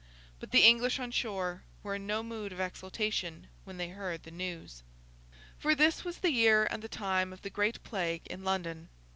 But, the English on shore were in no mood of exultation when they heard the news. For, this was the year and the time of the Great Plague in London.